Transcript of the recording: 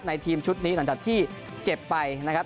ทีมชุดนี้หลังจากที่เจ็บไปนะครับ